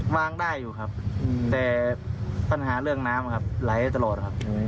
วางได้อยู่ครับแต่ปัญหาเรื่องน้ำครับไหลตลอดครับ